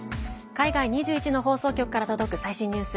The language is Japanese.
海外２１の放送局から届く最新ニュース。